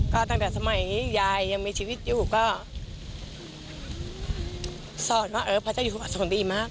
ก็ตั้งแต่สมัยยายยังมีชีวิตอยู่ก็สอนว่าเออพระเจ้าอยู่หัวสงดีมาก